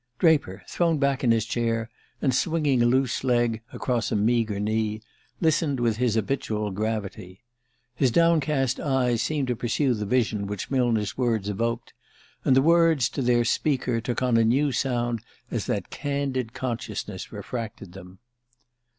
... Draper, thrown back in his chair, and swinging a loose leg across a meagre knee, listened with his habitual gravity. His downcast eyes seemed to pursue the vision which Millner's words evoked; and the words, to their speaker, took on a new sound as that candid consciousness refracted them.